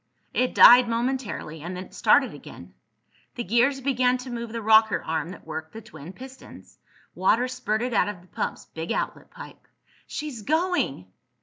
It died momentarily, and then it started again. The gears began to move the rocker arm that worked the twin pistons. Water spurted out of the pump's big outlet pipe! "She's going!"